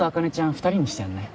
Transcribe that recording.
二人にしてやんない？